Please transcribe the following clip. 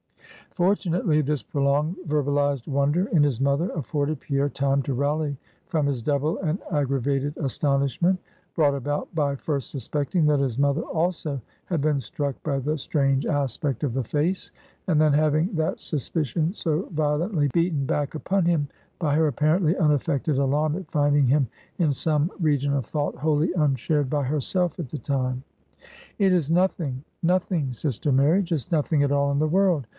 Fortunately, this prolonged verbalized wonder in his mother afforded Pierre time to rally from his double and aggravated astonishment, brought about by first suspecting that his mother also had been struck by the strange aspect of the face, and then, having that suspicion so violently beaten back upon him, by her apparently unaffected alarm at finding him in some region of thought wholly unshared by herself at the time. "It is nothing nothing, sister Mary; just nothing at all in the world.